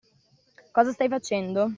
Cosa stai facendo?